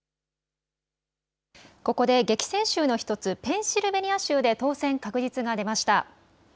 ここで激戦州の１つペンシルベニア州で当選確実が出ました。